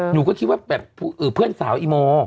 หนูก็คิดว่าแบบเพื่อนสาวอีโม